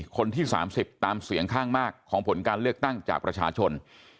คนที่๓๐ตามเสียงข้างมากของผลการเลือกตั้งจากประชาชน